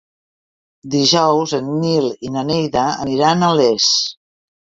Dijous en Nil i na Neida aniran a Les.